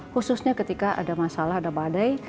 khususnya ketika ada masalah ada badai